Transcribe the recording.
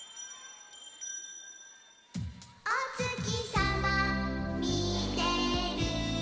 「お月さまみてる」